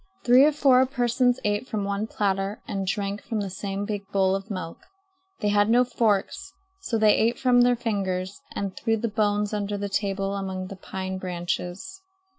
Three or four persons ate from one platter and drank from the same big bowl of milk. They had no forks, so they ate from their fingers and threw the bones under the table among the pine branches.